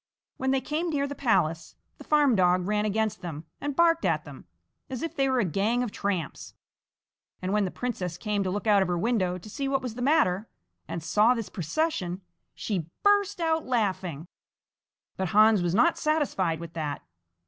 When they came near the palace, the farm dog ran against them and barked at them, as if they were a gang of tramps, and when the princess came to look out of her window to see what was the matter, and saw this procession, she burst out laughing. But Hans was not satisfied with that.